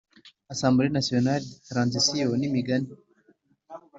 Assembl e Nationale de Transition n imigani